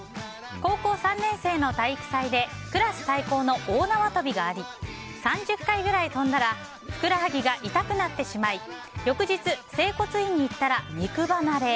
高校３年生の体育祭でクラス対抗の大縄跳びがあり３０回くらい跳んだらふくらはぎが痛くなってしまい翌日、整骨院に行ったら肉離れ。